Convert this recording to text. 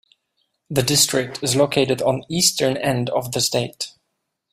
The district is located on eastern end of the state.